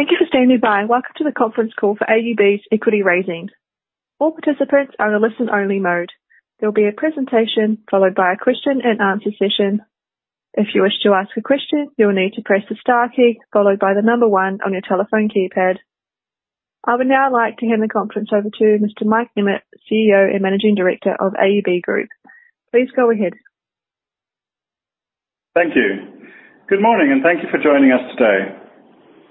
Thank you for standing by. Welcome to the Conference Call for AUB's Equity Raising. All participants are in a listen-only mode. There will be a presentation followed by a question-and-answer session. If you wish to ask a question, you will need to press the star key followed by the number one on your telephone keypad. I would now like to hand the conference over to Mr. Mike Emmett, CEO and Managing Director of AUB Group. Please go ahead. Thank you. Good morning, and thank you for joining us today.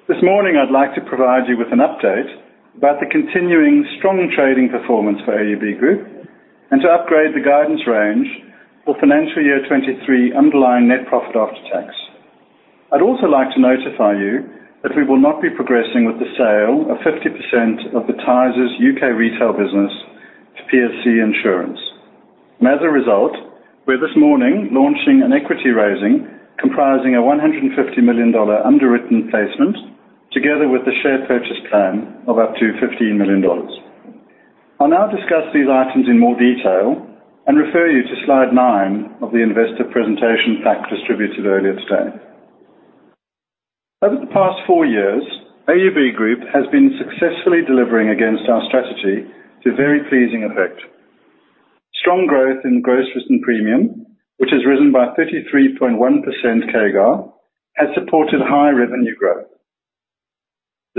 This morning, I'd like to provide you with an update about the continuing strong trading performance for AUB Group and to upgrade the guidance range for financial year 2023 underlying net profit after tax. I'd also like to notify you that we will not be progressing with the sale of 50% of the Tysers U.K. Retail business to PSC Insurance. As a result, we're this morning launching an equity raising comprising a 150 million dollar underwritten placement together with the Share Purchase Plan of up to 15 million dollars. I'll now discuss these items in more detail and refer you to slide nine of the investor presentation pack distributed earlier today. Over the past four years, AUB Group has been successfully delivering against our strategy to very pleasing effect. Strong growth in gross written premium, which has risen by 33.1% CAGR, has supported high revenue growth.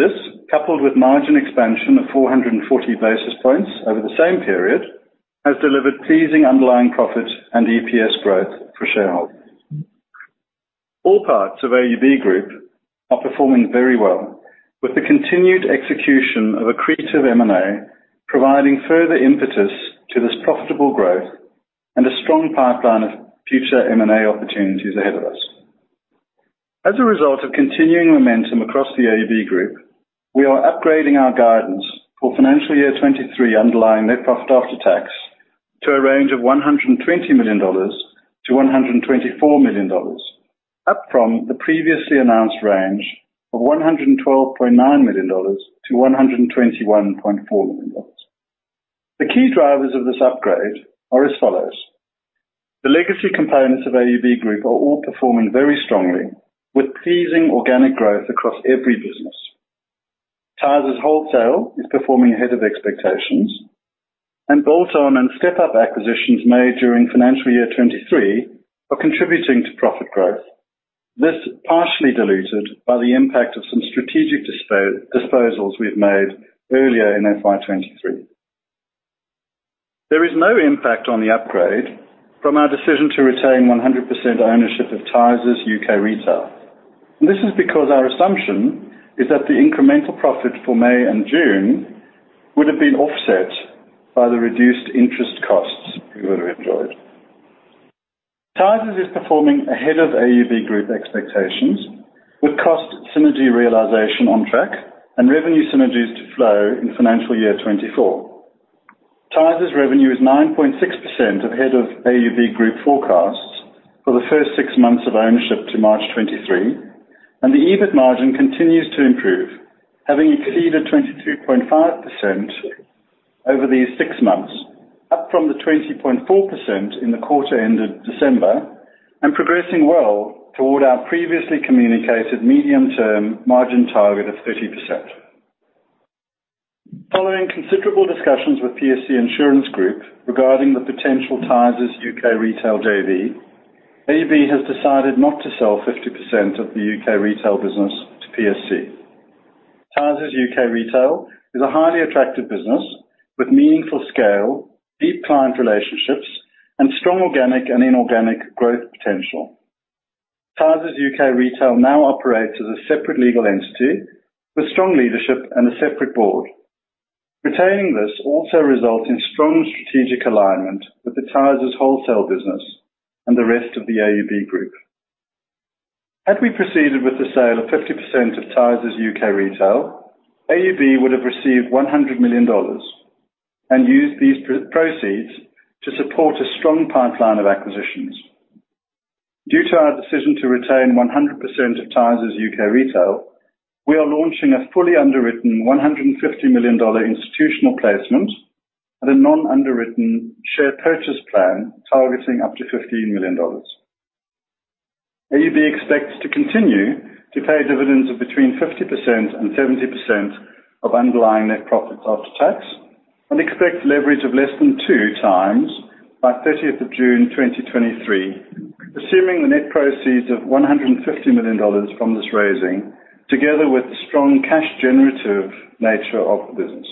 This, coupled with margin expansion of 440 basis points over the same period, has delivered pleasing underlying profit and EPS growth for shareholders. All parts of AUB Group are performing very well, with the continued execution of accretive M&A providing further impetus to this profitable growth and a strong pipeline of future M&A opportunities ahead of us. As a result of continuing momentum across the AUB Group, we are upgrading our guidance for FY 2023 underlying NPAT to a range of 120 million-124 million dollars, up from the previously announced range of 112.9 million-121.4 million dollars. The key drivers of this upgrade are as follows: The legacy components of AUB Group are all performing very strongly, with pleasing organic growth across every business. Tysers Wholesale is performing ahead of expectations, and bolt-on and step-up acquisitions made during financial year 2023 are contributing to profit growth. This is partially diluted by the impact of some strategic disposals we've made earlier in FY 2023. There is no impact on the upgrade from our decision to retain 100% ownership of Tysers U.K. Retail. This is because our assumption is that the incremental profit for May and June would have been offset by the reduced interest costs we would have enjoyed. Tysers is performing ahead of AUB Group expectations, with cost synergy realization on track and revenue synergies to flow in financial year 2024. Tysers revenue is 9.6% ahead of AUB Group forecasts for the first six months of ownership to March 2023, and the EBIT margin continues to improve, having exceeded 22.5% over these six months, up from the 20.4% in the quarter end of December, and progressing well toward our previously communicated medium-term margin target of 30%. Following considerable discussions with PSC Insurance Group regarding the potential Tysers U.K. Retail JV, AUB has decided not to sell 50% of the U.K. Retail business to PSC. Tysers U.K. Retail is a highly attractive business with meaningful scale, deep client relationships, and strong organic and inorganic growth potential. Tysers U.K. Retail now operates as a separate legal entity with strong leadership and a separate board. Retaining this also results in strong strategic alignment with the Tysers Wholesale business and the rest of the AUB Group. Had we proceeded with the sale of 50% of Tysers U.K. Retail, AUB would have received 100 million dollars and used these proceeds to support a strong pipeline of acquisitions. Due to our decision to retain 100% of Tysers U.K. Retail, we are launching a fully underwritten 150 million dollar institutional placement and a non-underwritten Share Purchase Plan targeting up to 15 million dollars. AUB expects to continue to pay dividends of between 50% and 70% of underlying net profit after tax, and expects leverage of less than 2x by 30th of June, 2023, assuming the net proceeds of 150 million dollars from this raising, together with the strong cash generative nature of the business.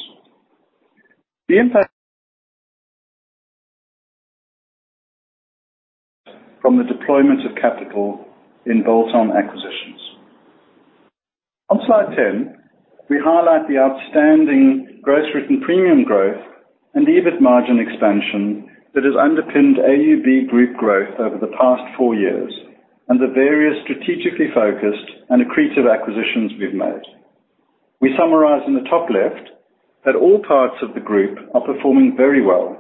The impact from the deployment of capital in bolt-on acquisitions. On slide 10, we highlight the outstanding gross written premium growth and EBIT margin expansion that has underpinned AUB Group growth over the past four years and the various strategically focused and accretive acquisitions we've made. We summarize in the top left that all parts of the group are performing very well,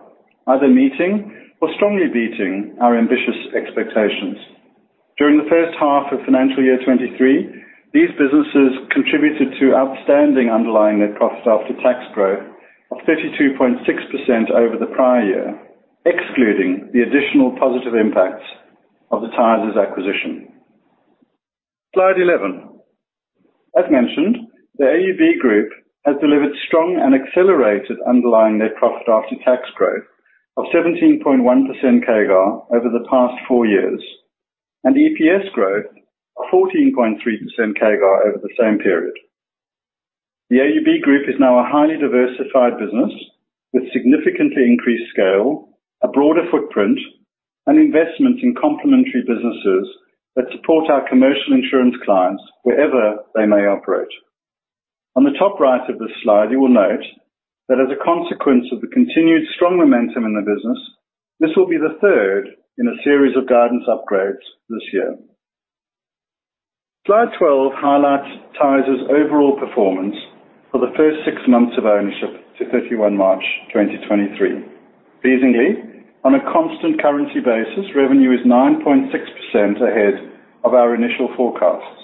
either meeting or strongly beating our ambitious expectations. During the first half of financial year 2023, these businesses contributed to outstanding underlying net profit after tax growth. 32.6% over the prior year, excluding the additional positive impacts of the Tysers acquisition. Slide 11. As mentioned, the AUB Group has delivered strong and accelerated underlying net profit after tax growth of 17.1% CAGR over the past four years, and EPS growth of 14.3% CAGR over the same period. The AUB Group is now a highly diversified business with significantly increased scale, a broader footprint, and investment in complementary businesses that support our commercial insurance clients wherever they may operate. On the top right of this slide, you will note that as a consequence of the continued strong momentum in the business, this will be the third in a series of guidance upgrades this year. Slide 12 highlights Tysers overall performance for the first six months of ownership to 31 March 2023. Pleasingly, on a constant currency basis, revenue is 9.6% ahead of our initial forecasts.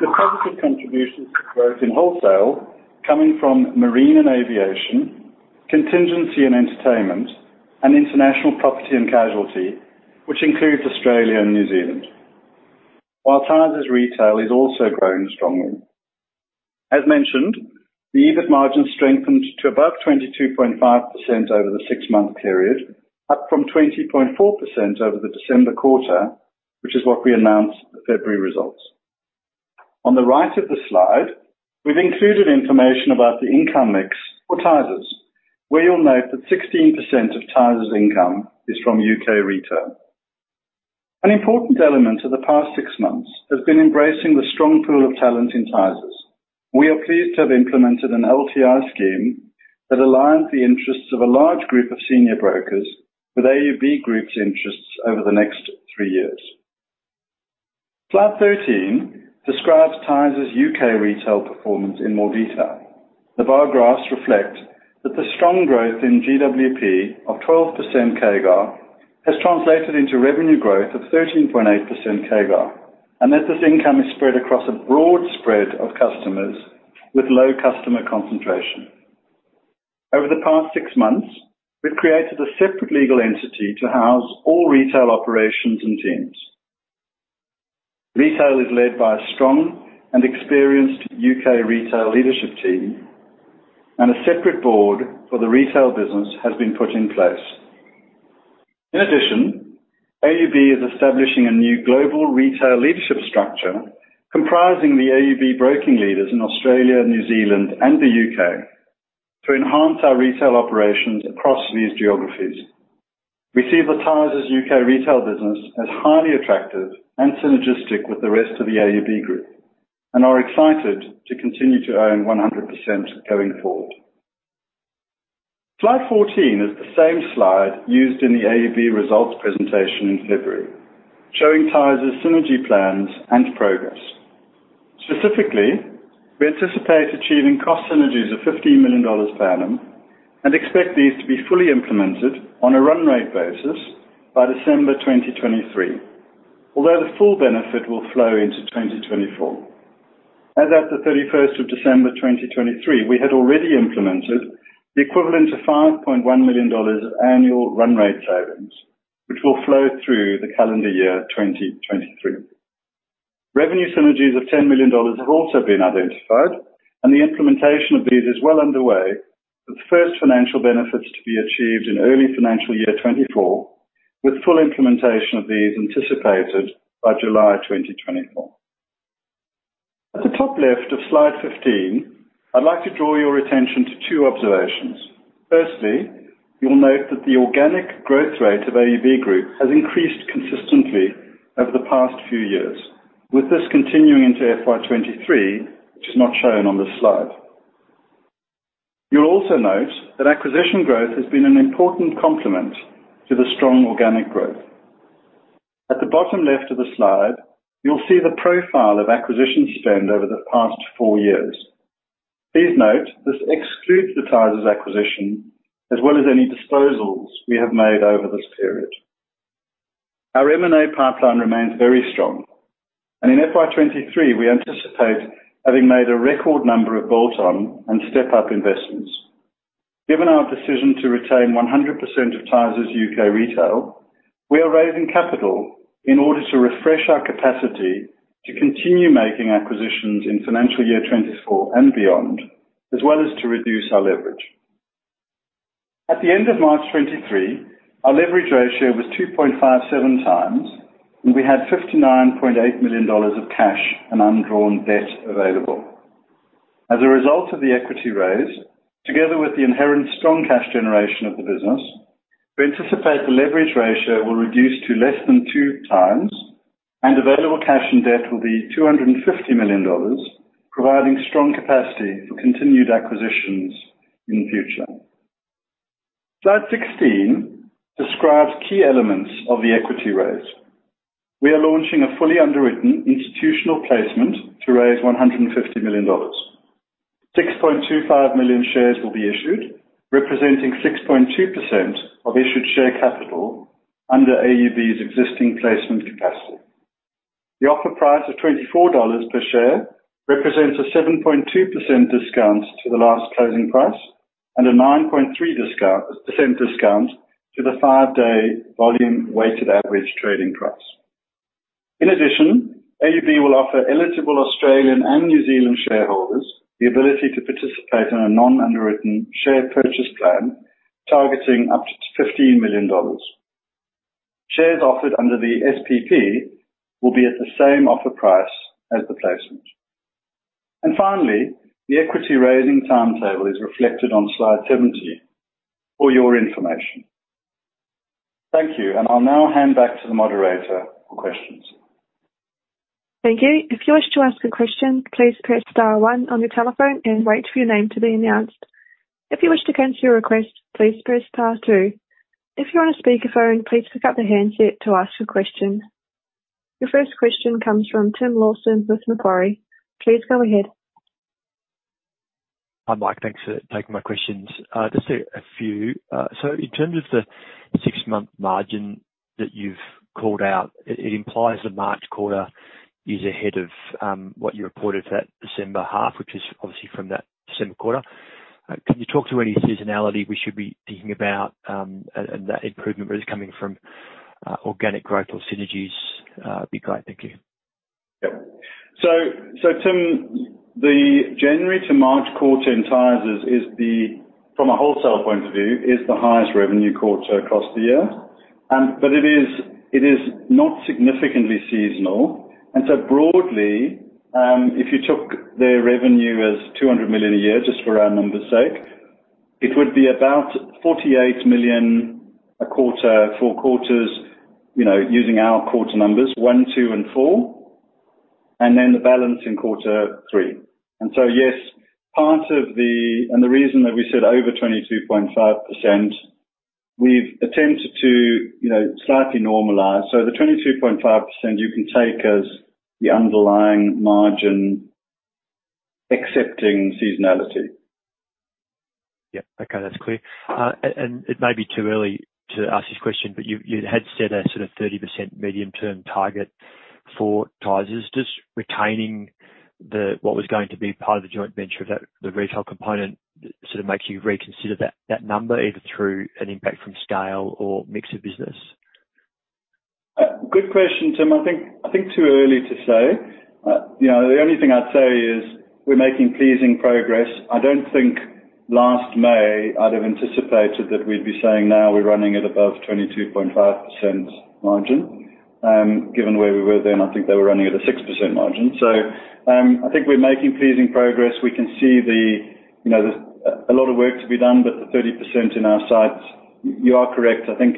The positive contributions to growth in wholesale coming from marine and aviation, contingency and entertainment, and international property and casualty, which includes Australia and New Zealand. While Tysers retail is also growing strongly. As mentioned, the EBIT margin strengthened to above 22.5% over the six month period, up from 20.4% over the December quarter, which is what we announced the February results. On the right of the slide, we've included information about the income mix for Tysers, where you'll note that 16% of Tysers income is from U.K. Retail. An important element of the past 6 months has been embracing the strong pool of talent in Tysers. We are pleased to have implemented an LTI scheme that aligns the interests of a large group of senior brokers with AUB Group's interests over the next three years. Slide 13 describes Tysers U.K. Retail performance in more detail. The bar graphs reflect that the strong growth in GWP of 12% CAGR has translated into revenue growth of 13.8% CAGR. This income is spread across a broad spread of customers with low customer concentration. Over the past six months, we've created a separate legal entity to house all retail operations and teams. Retail is led by a strong and experienced U.K. retail leadership team. A separate board for the retail business has been put in place. In addition, AUB is establishing a new global retail leadership structure comprising the AUB broking leaders in Australia, New Zealand and the U.K. to enhance our retail operations across these geographies. We see the Tysers U.K. retail business as highly attractive and synergistic with the rest of the AUB Group. We are excited to continue to own 100% going forward. Slide 14 is the same slide used in the AUB results presentation in February, showing Tysers synergy plans and progress. Specifically, we anticipate achieving cost synergies of 15 million dollars per annum and expect these to be fully implemented on a run rate basis by December 2023. The full benefit will flow into 2024. As at the 31st of December 2023, we had already implemented the equivalent to 5.1 million dollars of annual run rate savings, which will flow through the calendar year 2023. Revenue synergies of 10 million dollars have also been identified, the implementation of these is well underway, with first financial benefits to be achieved in early FY 2024, with full implementation of these anticipated by July 2024. At the top left of slide 15, I'd like to draw your attention to two observations. Firstly, you'll note that the organic growth rate of AUB Group has increased consistently over the past few years. With this continuing into FY 2023, which is not shown on this slide. You'll also note that acquisition growth has been an important complement to the strong organic growth. At the bottom left of the slide, you'll see the profile of acquisition spend over the past four years. Please note this excludes the Tysers acquisition, as well as any disposals we have made over this period. Our M&A pipeline remains very strong, and in FY 2023, we anticipate having made a record number of bolt-on and step-up investments. Given our decision to retain 100% of Tysers U.K. Retail, we are raising capital in order to refresh our capacity to continue making acquisitions in FY 2024 and beyond, as well as to reduce our leverage. At the end of March 2023, our leverage ratio was 2.57x, and we had 59.8 million dollars of cash and undrawn debt available. As a result of the equity raise, together with the inherent strong cash generation of the business, we anticipate the leverage ratio will reduce to less than 2x and available cash and debt will be 250 million dollars, providing strong capacity for continued acquisitions in future. Slide 16 describes key elements of the equity raise. We are launching a fully underwritten institutional placement to raise 150 million dollars. 6.25 million shares will be issued, representing 6.2% of issued share capital under AUB's existing placement capacity. The offer price of 24 dollars per share represents a 7.2% discount to the last closing price and a 9.3% discount to the five-day volume weighted average trading price. AUB will offer eligible Australian and New Zealand shareholders the ability to participate in a non-underwritten Share Purchase Plan targeting up to 15 million dollars. Shares offered under the SPP will be at the same offer price as the placement. The equity raising timetable is reflected on slide 70 for your information. Thank you. I'll now hand back to the moderator for questions. Thank you. If you wish to ask a question, please press star one on your telephone and wait for your name to be announced. If you wish to cancel your request, please press star two. If you're on a speakerphone, please pick up the handset to ask your question. Your first question comes from Tim Lawson with Macquarie. Please go ahead. Hi, Mike. Thanks for taking my questions. Just a few. In terms of the six month margin that you've called out, it implies the March quarter is ahead of what you reported for that December half, which is obviously from that December quarter. Can you talk to any seasonality we should be thinking about, and that improvement, whether it's coming from organic growth or synergies, would be great. Thank you. Yep. So Tim, the January to March quarter in Tysers is the, from a wholesale point of view, is the highest revenue quarter across the year. But it is not significantly seasonal. Broadly, if you took their revenue as 200 million a year, just for round numbers sake, it would be about 48 million a quarter, four quarters, you know, using our quarter numbers, one, two, and four, and then the balance in quarter three. Yes, part of the... The reason that we said over 22.5%, we've attempted to, you know, slightly normalize. The 22.5% you can take as the underlying margin accepting seasonality. Yeah. Okay. That's clear. It may be too early to ask this question, but you had set a sort of 30% medium-term target for Tysers. Does retaining the, what was going to be part of the joint venture of that, the retail component, sort of makes you reconsider that number either through an impact from scale or mix of business? Good question, Tim. I think too early to say. You know, the only thing I'd say is we're making pleasing progress. I don't think last May I'd have anticipated that we'd be saying now we're running at above 22.5% margin. Given where we were then, I think they were running at a 6% margin. I think we're making pleasing progress. We can see the, you know, a lot of work to be done, but the 30% in our sights. You are correct. I think,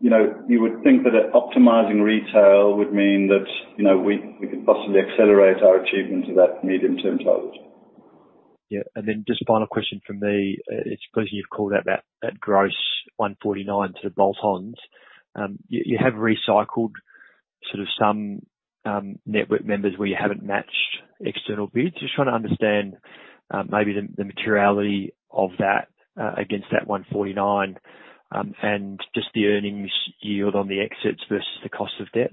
you know, you would think that optimizing retail would mean that, you know, we could possibly accelerate our achievement of that medium-term target. Yeah. Just a final question from me. I suppose you've called out that gross 149 to the bolt-ons. You have recycled sort of some network members where you haven't matched external bids. Just trying to understand maybe the materiality of that against that 149, and just the earnings yield on the exits versus the cost of debt.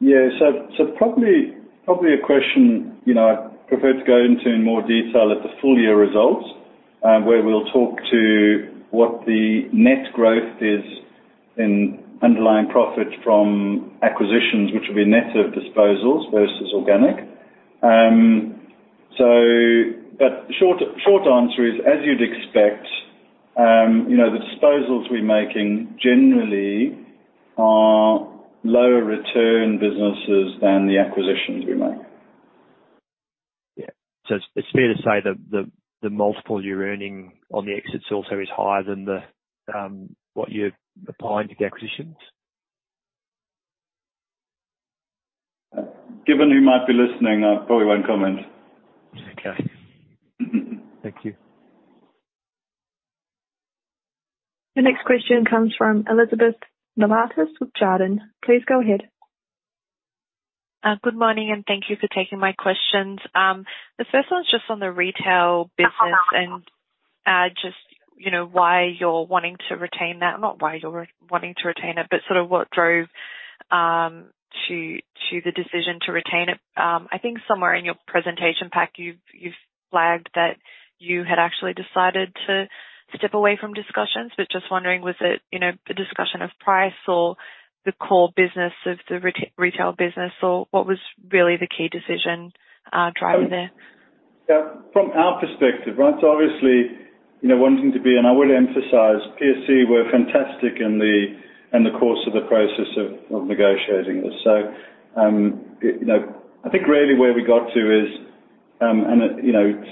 Yeah. Probably a question, you know, I'd prefer to go into in more detail at the full year results, where we'll talk to what the net growth is in underlying profit from acquisitions, which will be net of disposals versus organic. Short answer is, as you'd expect, you know, the disposals we're making generally are lower return businesses than the acquisitions we make. Yeah. It's fair to say that the multiple you're earning on the exits also is higher than what you're applying to the acquisitions? Given who might be listening, I probably won't comment. Okay. Thank you. The next question comes from Elizabeth Miliatis with Jarden. Please go ahead. Good morning, and thank you for taking my questions. The first one's just on the retail business and, just, you know, why you're wanting to retain that. Not why you're wanting to retain it, but sort of what drove, to the decision to retain it. I think somewhere in your presentation pack, you've flagged that you had actually decided to step away from discussions, but just wondering, was it, you know, a discussion of price or the core business of the retail business, or what was really the key decision, driving there? Yeah. From our perspective, right, obviously, you know, wanting to be. I would emphasize, PSC were fantastic in the course of the process of negotiating this. You know, I think really where we got to is, you know,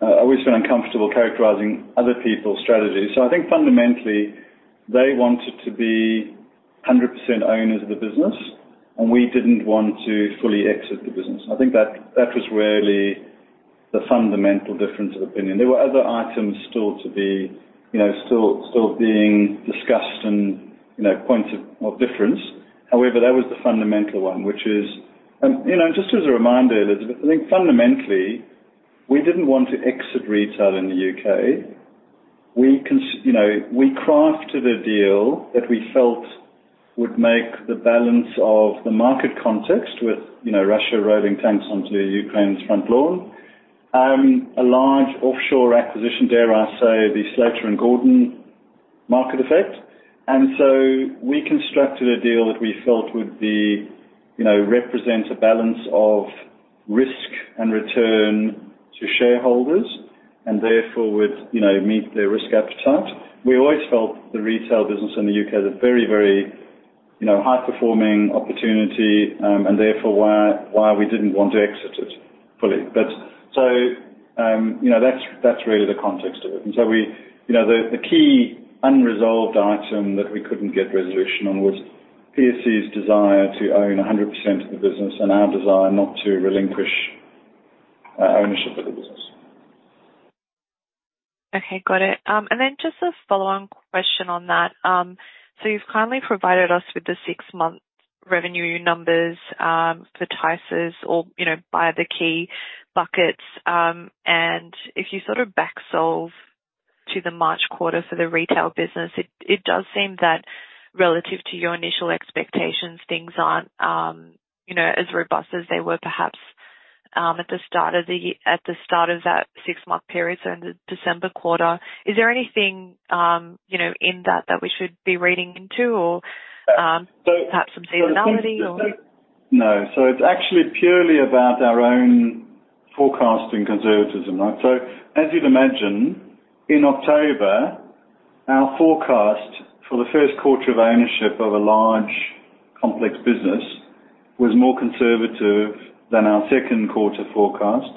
we feel uncomfortable characterizing other people's strategies. I think fundamentally, they wanted to be 100% owners of the business, and we didn't want to fully exit the business. I think that was really the fundamental difference of opinion. There were other items still to be, you know, still being discussed and, you know, points of difference. However, that was the fundamental one, which is. You know, just as a reminder, Elizabeth, I think fundamentally, we didn't want to exit retail in the U.K. We, you know, we crafted a deal that we felt would make the balance of the market context with, you know, Russia rolling tanks onto the Ukraine's front lawn, a large offshore acquisition, dare I say, the Slater and Gordon market effect. We constructed a deal that we felt would be, you know, represent a balance of risk and return to shareholders and therefore would, you know, meet their risk appetite. We always felt the retail business in the U.K. is a very, you know, high-performing opportunity, and therefore why we didn't want to exit it fully. You know, that's really the context of it. We, you know, the key unresolved item that we couldn't get resolution on was PSC's desire to own 100% of the business and our desire not to relinquish ownership of the business. Okay, got it. Just a follow-on question on that. You've kindly provided us with the six month revenue numbers, for Tysers or, you know, by the key buckets. If you sort of back solve to the March quarter for the retail business, it does seem that relative to your initial expectations, things aren't, you know, as robust as they were perhaps, at the start of that six month period, so in the December quarter. Is there anything, you know, in that that we should be reading into or, perhaps some seasonality or? No. It's actually purely about our own forecasting conservatism. As you'd imagine, in October, our forecast for the first quarter of ownership of a large complex business was more conservative than our second quarter forecast,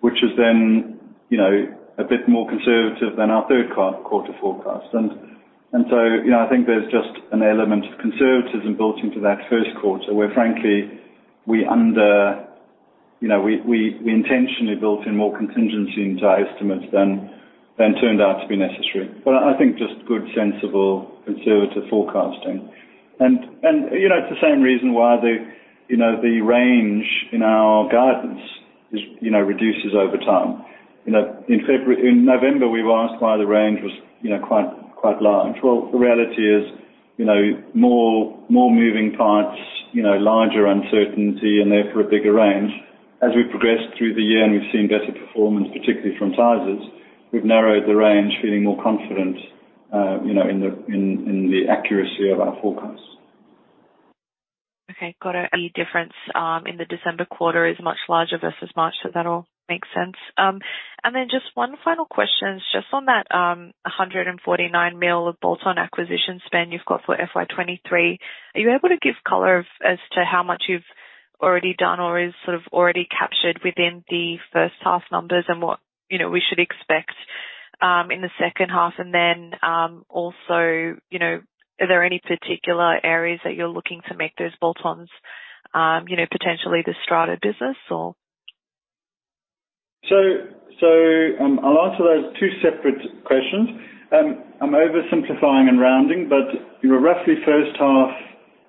which is then, you know, a bit more conservative than our third quarter forecast. I think there's just an element of conservatism built into that first quarter where frankly, we intentionally built in more contingency into our estimates than turned out to be necessary. I think just good, sensible, conservative forecasting. It's the same reason why the, you know, the range in our guidance is, you know, reduces over time. In November, we were asked why the range was, you know, quite large. Well, the reality is, you know, more moving parts, you know, larger uncertainty and therefore a bigger range. As we progressed through the year and we've seen better performance, particularly from Tysers, we've narrowed the range feeling more confident, you know, in the accuracy of our forecasts. Okay, got it. The difference in the December quarter is much larger versus March, that all makes sense. Just one final question. Just on that, 149 million of bolt-on acquisition spend you've got for FY 2023. Are you able to give color as to how much you've already done or is sort of already captured within the first half numbers and what, you know, we should expect in the second half? Also, you know, are there any particular areas that you're looking to make those bolt-ons, you know, potentially the strata business or? I'll answer those two separate questions. I'm oversimplifying and rounding, you know, roughly first half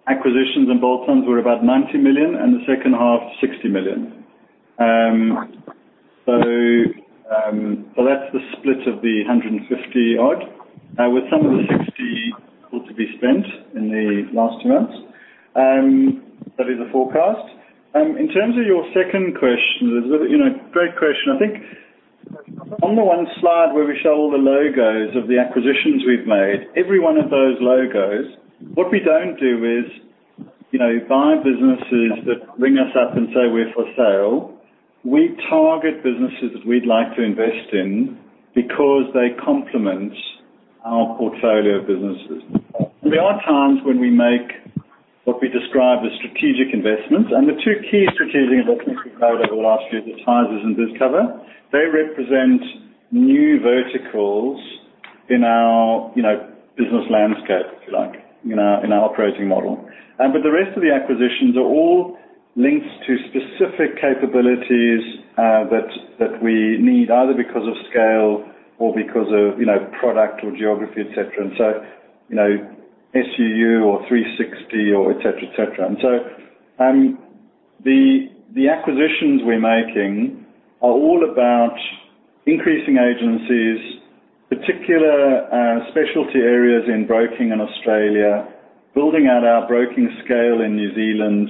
acquisitions and bolt-ons were about 90 million and the second half 60 million. That's the split of the 150 million odd, with some of the 60 million still to be spent in the last two months. That is the forecast. In terms of your second question, you know, great question. I think on the one slide where we show all the logos of the acquisitions we've made, every one of those logos, what we don't do is, you know, buy businesses that ring us up and say, "We're for sale." We target businesses that we'd like to invest in because they complement our portfolio of businesses. There are times when we make what we describe as strategic investments. The two key strategic investments we've made over the last year, the Tysers and BizCover, they represent new verticals in our, you know, business landscape, if you like, in our, in our operating model. The rest of the acquisitions are all links to specific capabilities that we need either because of scale or because of, you know, product or geography, et cetera. So, you know, SURA or 360 or et cetera, et cetera. So, the acquisitions we're making are all about increasing agencies, particular, specialty areas in broking in Australia, building out our broking scale in New Zealand,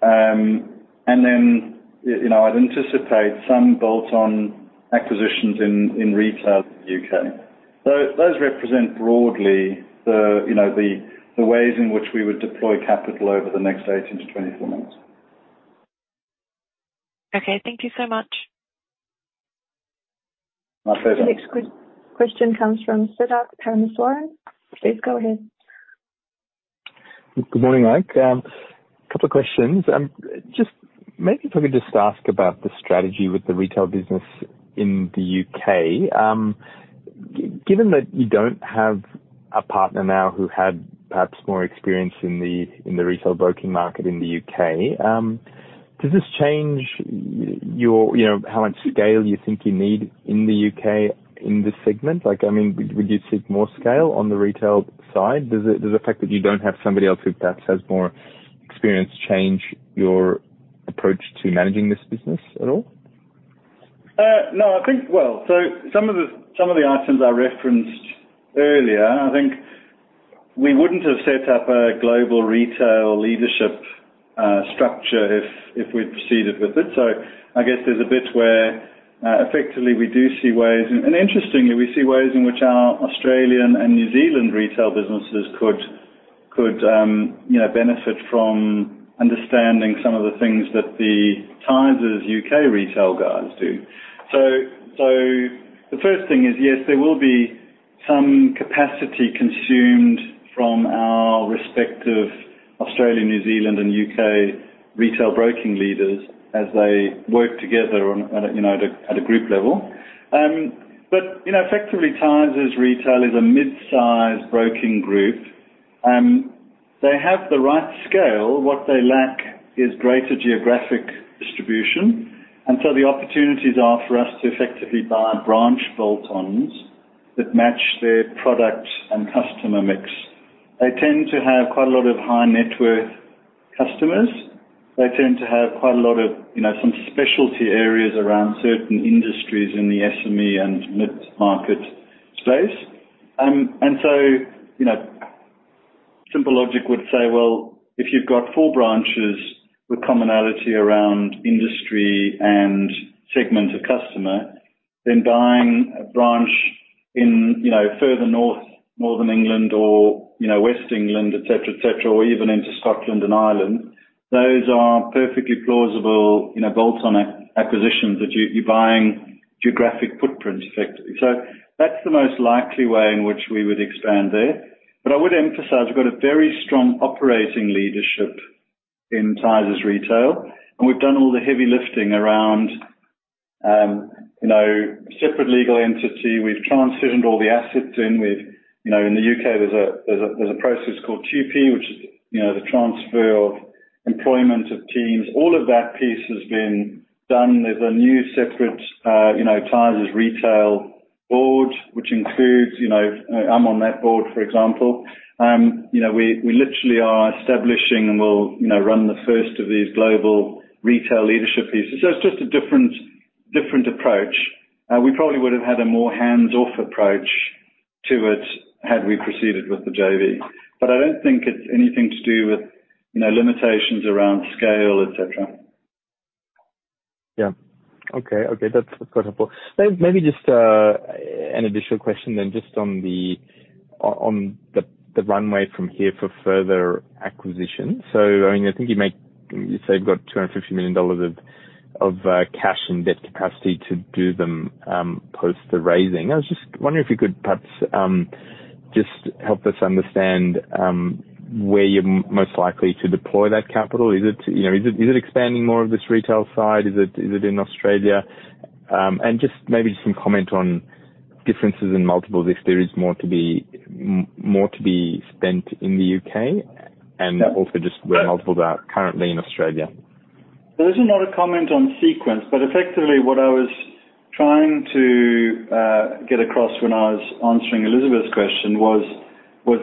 and then, you know, I'd anticipate some bolt-on acquisitions in retail in the U.K. Those represent broadly the, you know, the ways in which we would deploy capital over the next 18-24 months. Okay, thank you so much. My pleasure. The next question comes from Siddharth Parameswaran. Please go ahead. Good morning, Mike. A couple of questions. Just maybe if I could just ask about the strategy with the retail business in the U.K. Given that you don't have a partner now who had perhaps more experience in the, in the retail broking market in the U.K., does this change your, you know, how much scale you think you need in the U.K. in this segment? Like, I mean, would you seek more scale on the retail side? Does the fact that you don't have somebody else who perhaps has experience change your approach to managing this business at all? No, I think. Well, some of the items I referenced earlier, I think we wouldn't have set up a global retail leadership structure if we'd proceeded with it. I guess there's a bit where effectively we do see ways. Interestingly, we see ways in which our Australian and New Zealand retail businesses could, you know, benefit from understanding some of the things that the Tysers U.K. Retail guys do. The first thing is, yes, there will be some capacity consumed from our respective Australia, New Zealand and U.K. retail broking leaders as they work together on a, you know, at a group level. You know, effectively, Tysers Retail is a mid-size broking group. They have the right scale. What they lack is greater geographic distribution. The opportunities are for us to effectively buy branch bolt-ons that match their product and customer mix. They tend to have quite a lot of high net worth customers. They tend to have quite a lot of, you know, some specialty areas around certain industries in the SME and mid-market space. You know, simple logic would say, well, if you've got four branches with commonality around industry and segment of customer, then buying a branch in, you know, further north, Northern England or, you know, West England, et cetera, et cetera, or even into Scotland and Ireland, those are perfectly plausible, you know, bolt-on acquisitions that you're buying geographic footprints effectively. That's the most likely way in which we would expand there. I would emphasize, we've got a very strong operating leadership in Tysers retail, and we've done all the heavy lifting around, you know, separate legal entity. We've transferred all the assets in. We've, you know, in the U.K., there's a process called TP, which is, you know, the transfer of employment of teams. All of that piece has been done. There's a new separate, you know, Tysers retail board, which includes, you know, I'm on that board, for example. You know, we literally are establishing and we'll, you know, run the first of these global retail leadership pieces. It's just a different approach. We probably would have had a more hands-off approach to it had we proceeded with the JV. I don't think it's anything to do with, you know, limitations around scale, et cetera. Yeah. Okay. Okay, that's quite helpful. Maybe just an additional question then just on the runway from here for further acquisition. I mean, I think you say you've got 250 million dollars of cash and debt capacity to do them post the raising. I was just wondering if you could perhaps just help us understand where you're most likely to deploy that capital. Is it, you know, is it expanding more of this retail side? Is it in Australia? Just maybe some comment on differences in multiples if there is more to be spent in the U.K.? Yeah. Also just where multiples are currently in Australia. Those are not a comment on sequence, but effectively what I was trying to get across when I was answering Elizabeth's question was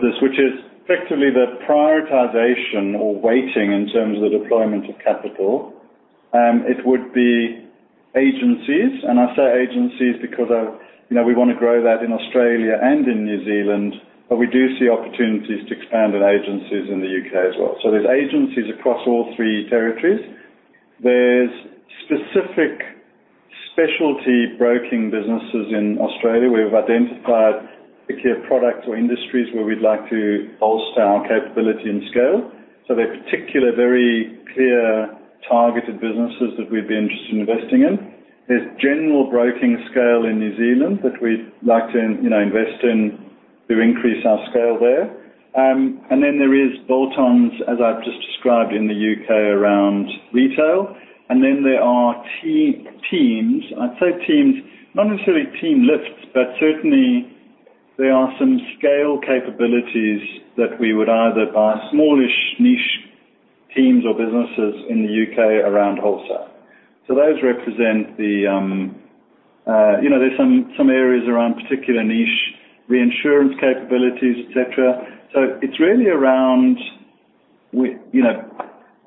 this, which is effectively the prioritization or weighting in terms of the deployment of capital. It would be agencies, and I say agencies because of, you know, we wanna grow that in Australia and in New Zealand, but we do see opportunities to expand in agencies in the U.K. as well. There's agencies across all three territories. There's specific specialty broking businesses in Australia where we've identified particular products or industries where we'd like to bolster our capability and scale. They're particular, very clear, targeted businesses that we'd be interested in investing in. There's general broking scale in New Zealand that we'd like to, you know, invest in to increase our scale there. Then there is bolt-ons, as I've just described in the U.K., around retail. Then there are key teams. I'd say teams, not necessarily team lifts, but certainly there are some scale capabilities that we would either buy smallish niche teams or businesses in the U.K. around wholesale. Those represent the, you know, there's some areas around particular niche reinsurance capabilities, et cetera. It's really around we, you know,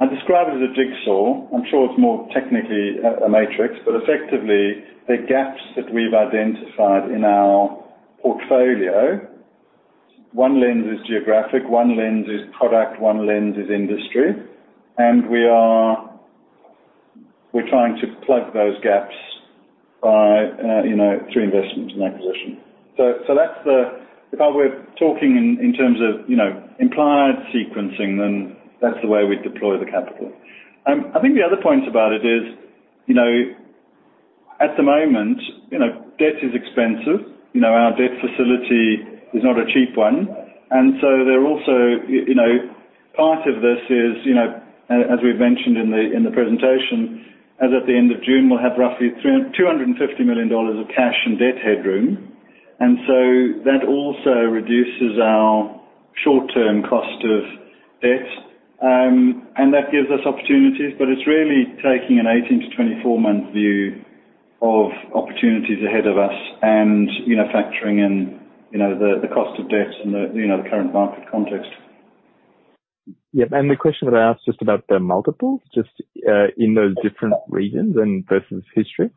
I describe it as a jigsaw. I'm sure it's more technically a matrix, but effectively, they're gaps that we've identified in our portfolio. One lens is geographic, one lens is product, one lens is industry, and we are, we're trying to plug those gaps by, you know, through investment and acquisition. That's the... If I were talking in terms of, you know, implied sequencing, then that's the way we'd deploy the capital. I think the other point about it is, you know, at the moment, you know, debt is expensive. You know, our debt facility is not a cheap one. There are also, you know, part of this is, you know, as we've mentioned in the, in the presentation, as at the end of June, we'll have roughly 250 million dollars of cash and debt headroom. That also reduces our short-term cost of debt. That gives us opportunities, but it's really taking an 18-24 month view of opportunities ahead of us and, you know, factoring in, you know, the cost of debt and the, you know, the current market context. Yeah. The question that I asked just about the multiples, just in those different regions and versus history.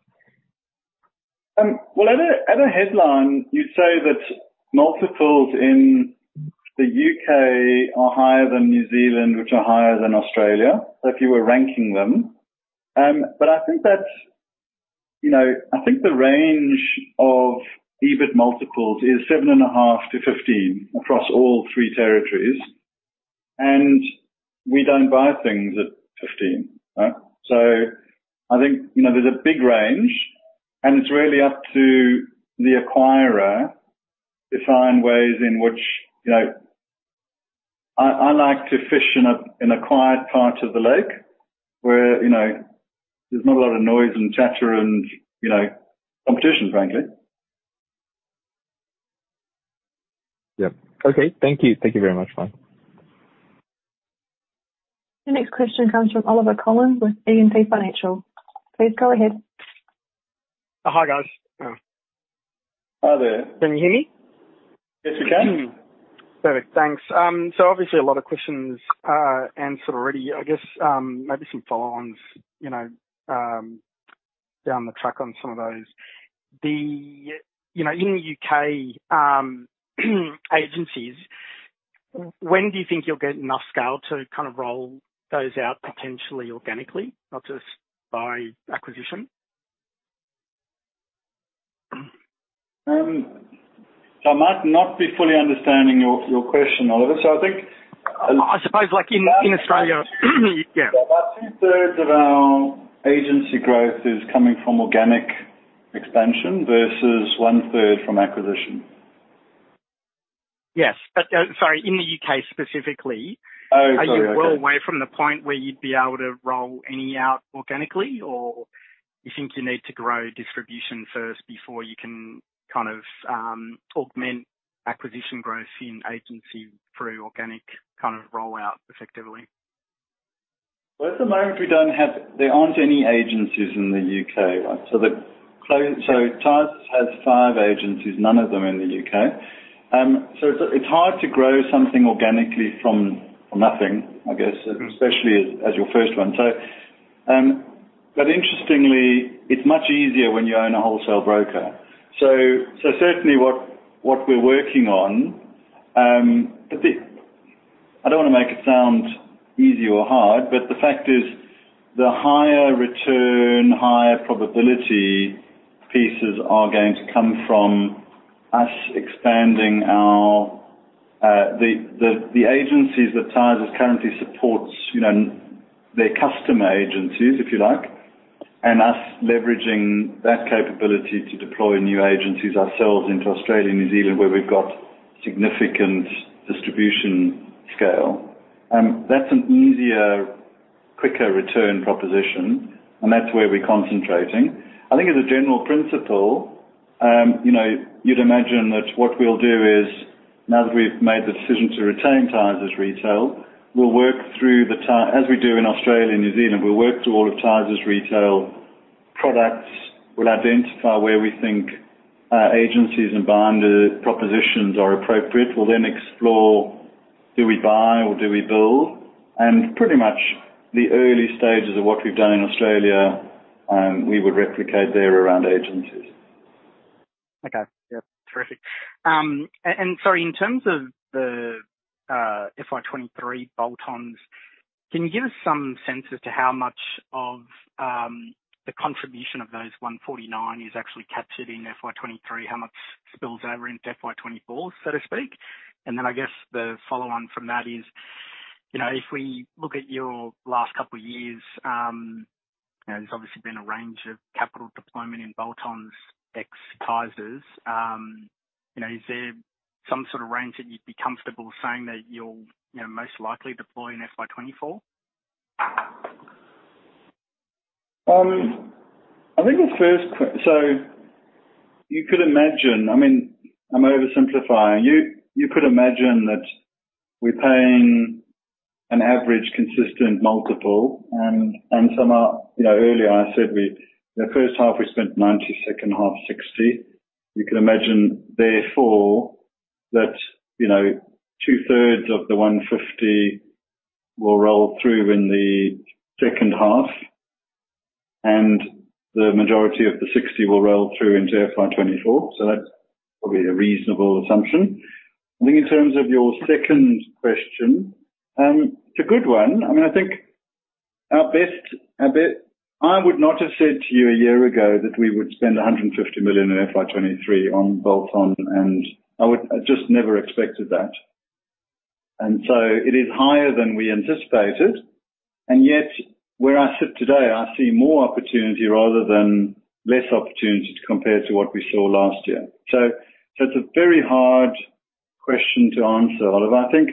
Well, at a headline, you'd say that multiples in the U.K. are higher than New Zealand, which are higher than Australia, if you were ranking them. I think that, you know, I think the range of EBIT multiples is 7.5-15 across all three territories. We don't buy things at 15. Right? I think, you know, there's a big range, and it's really up to the acquirer to find ways in which, you know... I like to fish in a, in a quiet part of the lake where, you know, there's not a lot of noise and chatter and, you know, competition, frankly. Yep. Okay. Thank you. Thank you very much, Mike. The next question comes from Olivier Coulon with E&P Financial. Please go ahead. Hi, guys. Hi there. Can you hear me? Yes, we can. Perfect. Thanks. Obviously a lot of questions answered already. I guess, maybe some follow-ons, you know, down the track on some of those. The, you know, in the U.K. agencies, when do you think you'll get enough scale to kind of roll those out potentially organically, not just by acquisition? I might not be fully understanding your question, Olivier. I suppose like in Australia. Yeah. About 2/3 of our agency growth is coming from organic expansion versus 1/3 from acquisition. Yes, but, sorry, in the U.K. specifically- Oh, sorry. Okay. Are you well away from the point where you'd be able to roll any out organically, or you think you need to grow distribution first before you can kind of augment acquisition growth in agency through organic kind of rollout effectively? At the moment, there aren't any agencies in the U.K. Tysers has five agencies, none of them in the U.K. It's hard to grow something organically from nothing, I guess, especially as your first one. Interestingly, it's much easier when you own a wholesale broker. Certainly what we're working on. I don't want to make it sound easy or hard, the fact is the higher return, higher probability pieces are going to come from us expanding our the agencies that Tysers currently supports, you know, their customer agencies, if you like, and us leveraging that capability to deploy new agencies ourselves into Australia and New Zealand, where we've got significant distribution scale. That's an easier, quicker return proposition, that's where we're concentrating. I think as a general principle, you know, you'd imagine that what we'll do is, now that we've made the decision to retain Tysers retail, we'll work through as we do in Australia and New Zealand, we'll work through all of Tysers retail products. We'll identify where we think agencies and binder propositions are appropriate. We'll then explore, do we buy or do we build? Pretty much the early stages of what we've done in Australia, we would replicate there around agencies. Okay. Yep. Terrific. Sorry, in terms of the FY 2023 bolt-ons, can you give us some sense as to how much of the contribution of those 149 is actually captured in FY 2023? How much spills over into FY 2024, so to speak? Then I guess the follow on from that is, you know, if we look at your last couple of years, you know, there's obviously been a range of capital deployment in bolt-ons, ex-Tysers. You know, is there some sort of range that you'd be comfortable saying that you'll, you know, most likely deploy in FY 2024? I think the first I mean, I'm oversimplifying. You, you could imagine that we're paying an average consistent multiple and some are, you know, earlier I said the first half we spent 90 million, second half 60 million. You can imagine therefore that, you know, 2/3 of the 150 million will roll through in the second half, and the majority of the 60 million will roll through into FY 2024. That's probably a reasonable assumption. I think in terms of your second question, it's a good one. I mean, I think our best bet, I would not have said to you a year ago that we would spend 150 million in FY 2023 on bolt-on, I just never expected that. It is higher than we anticipated. Yet where I sit today, I see more opportunity rather than less opportunity compared to what we saw last year. It's a very hard question to answer, Olivier. I think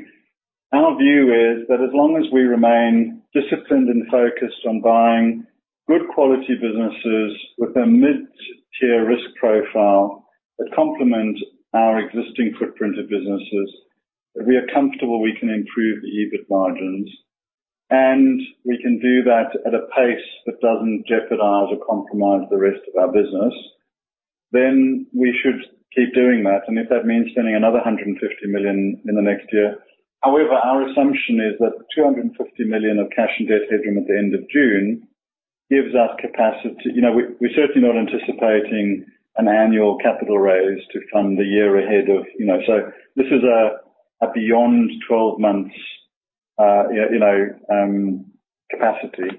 our view is that as long as we remain disciplined and focused on buying good quality businesses with a mid-tier risk profile that complement our existing footprint of businesses, that we are comfortable we can improve the EBIT margins. We can do that at a pace that doesn't jeopardize or compromise the rest of our business, then we should keep doing that. If that means spending another 150 million in the next year. However, our assumption is that the 250 million of cash and debt headroom at the end of June gives us capacity. You know, we're certainly not anticipating an annual capital raise to fund the year ahead of. You know, this is a beyond 12 months, you know, capacity.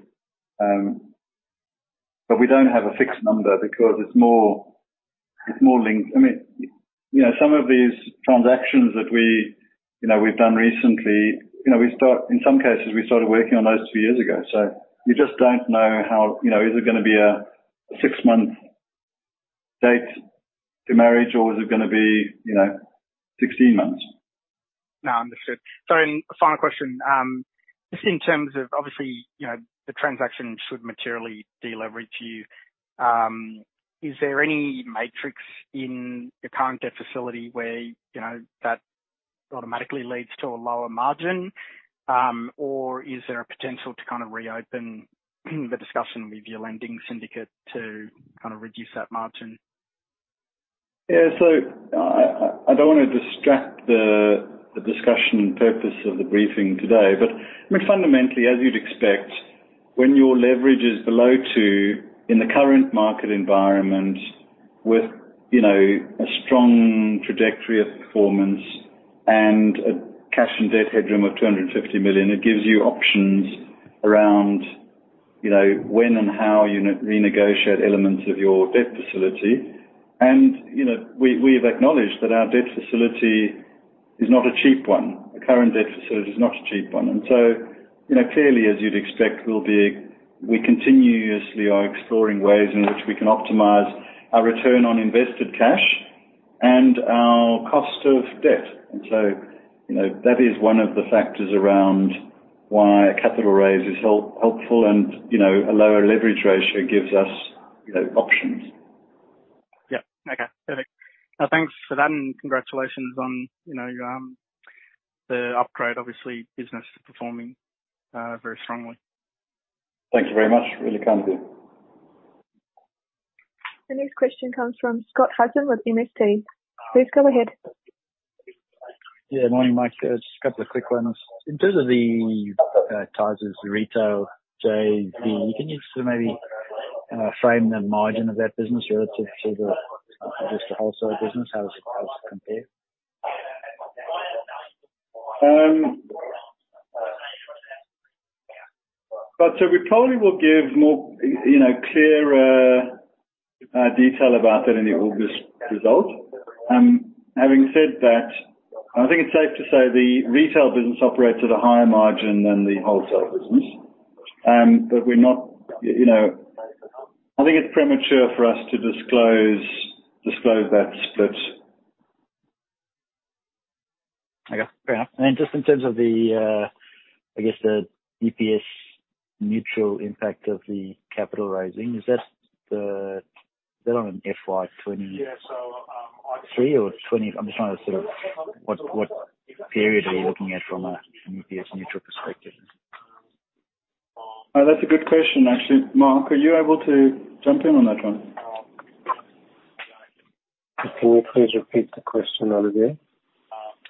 We don't have a fixed number because it's more, it's more linked. I mean, you know, some of these transactions that we, you know, we've done recently, you know, we started working on those two years ago. You just don't know how, you know, is it gonna be a six month date to marriage or is it gonna be, you know, 16 months? Understood. Final question. Just in terms of obviously, you know, the transaction should materially deleverage you. Is there any matrix in your current debt facility where, you know, that automatically leads to a lower margin? Or is there a potential to kinda reopen the discussion with your lending syndicate to kinda reduce that margin? I don't want to distract the discussion and purpose of the briefing today. I mean, fundamentally, as you'd expect, when your leverage is below two in the current market environment with, you know, a strong trajectory of performance and a cash and debt headroom of 250 million, it gives you options around, you know, when and how you renegotiate elements of your debt facility. You know, we've acknowledged that our debt facility is not a cheap one. The current debt facility is not a cheap one. You know, clearly, as you'd expect, We continuously are exploring ways in which we can optimize our return on invested cash and our cost of debt. You know, that is one of the factors around why a capital raise is helpful and, you know, a lower leverage ratio gives us, you know, options. Yeah. Okay. Perfect. Thanks for that. Congratulations on, you know, the upgrade. Obviously, business is performing very strongly. Thank you very much. Really can't hear. The next question comes from Scott Hudson with MST. Please go ahead. Morning, Mike. Just a couple of quick ones. In terms of the Tysers Retail JV, can you just maybe frame the margin of that business relative to the, just the wholesale business? How does it compare? We probably will give more, you know, clearer detail about that in the August result. Having said that, I think it's safe to say the retail business operates at a higher margin than the wholesale business. We're not, you know, I think it's premature for us to disclose that split. Okay. Fair enough. Just in terms of the, I guess the EPS neutral impact of the capital raising, is that on an FY 2023 or 2024? I'm just trying to sort of what period are you looking at from a, from EPS neutral perspective? That's a good question, actually. Mark, are you able to jump in on that one? Can you please repeat the question, Olivier?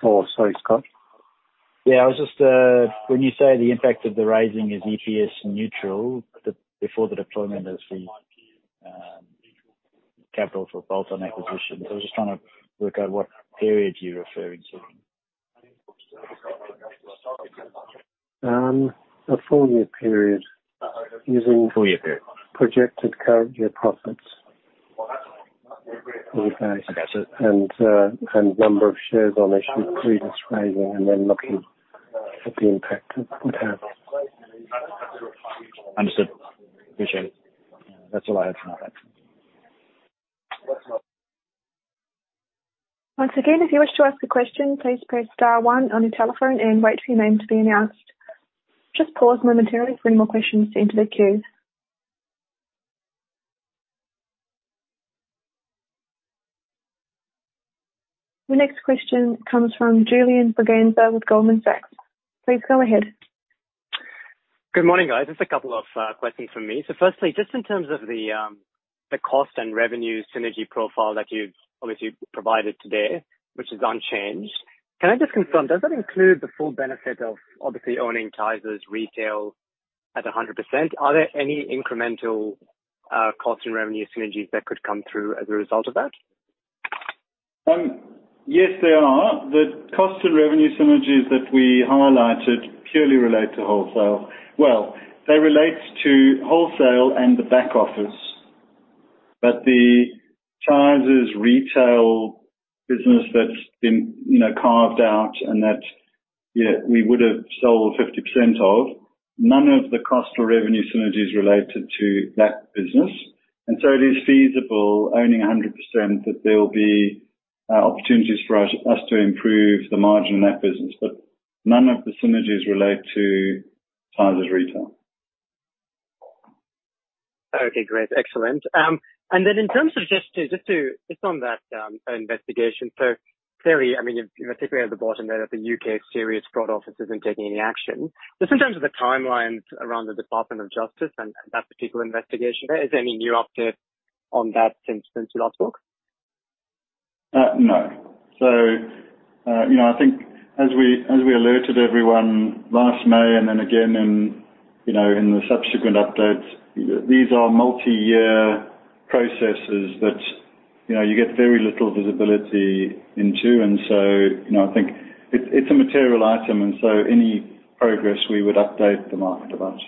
Oh, sorry, Scott. Yeah. I was just When you say the impact of the raising is EPS neutral before the deployment of the capital for bolt-on acquisitions. I was just trying to work out what period you're referring to. A full year period. Full year period. Projected current year profits for the base. I gotcha. Number of shares on issue previous raising and then looking at the impact it would have. Understood. Appreciate it. That's all I have for now. Thanks. Once again, if you wish to ask a question, please press star one on your telephone and wait for your name to be announced. Just pause momentarily for any more questions to enter the queue. The next question comes from Julian Braganza with Goldman Sachs. Please go ahead. Good morning, guys. Just a couple of questions from me. Firstly, just in terms of the cost and revenue synergy profile that you've obviously provided today, which is unchanged. Can I just confirm, does that include the full benefit of obviously owning Tysers Retail at 100%? Are there any incremental cost and revenue synergies that could come through as a result of that? Yes, there are. The cost and revenue synergies that we highlighted purely relate to wholesale. Well, they relate to wholesale and the back office. The Tysers Retail business that's been, you know, carved out and that, we would've sold 50% of, none of the cost or revenue synergies related to that business. It is feasible owning 100% that there will be opportunities for us to improve the margin in that business. None of the synergies relate to Tysers Retail. Okay. Great. Excellent. In terms of Just on that investigation. Clearly, I mean, you particularly at the bottom there that the U.K. Serious Fraud Office isn't taking any action. In terms of the timelines around the Department of Justice and that particular investigation, is there any new update on that since we last talked? No. you know, I think as we, as we alerted everyone last May and then again in, you know, in the subsequent updates, these are multi-year processes that, you know, you get very little visibility into. you know, I think it's a material item, and so any progress, we would update the market about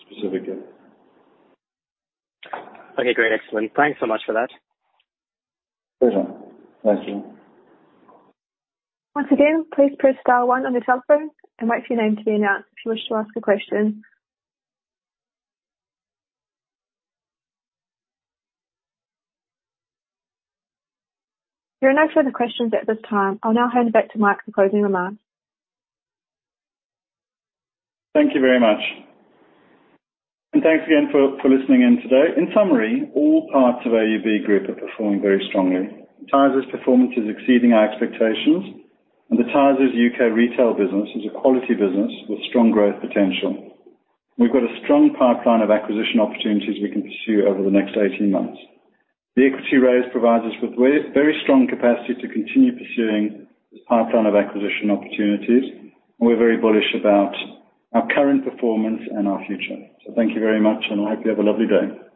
specifically. Okay. Great. Excellent. Thanks so much for that. Pleasure. Thank you. Once again, please press star one on your telephone and wait for your name to be announced if you wish to ask a question. There are no further questions at this time. I'll now hand it back to Mike for closing remarks. Thank you very much. Thanks again for listening in today. In summary, all parts of AUB Group are performing very strongly. Tysers performance is exceeding our expectations, and the Tysers U.K. Retail business is a quality business with strong growth potential. We've got a strong pipeline of acquisition opportunities we can pursue over the next 18 months. The equity raise provides us with very strong capacity to continue pursuing this pipeline of acquisition opportunities, and we're very bullish about our current performance and our future. Thank you very much, and I hope you have a lovely day.